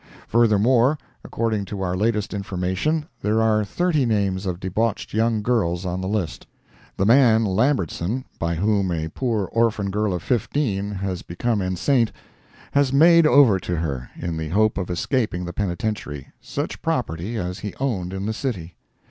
Furthermore, according to our latest information, there are thirty names of debauched young girls on the list. The man Lambertson, by whom a poor orphan girl of fifteen has become enceinte, has made over to her, in the hope of escaping the penitentiary, such property as he owned in the city.